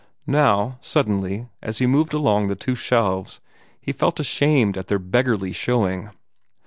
Now, suddenly, as he moved along the two shelves, he felt ashamed at their beggarly showing.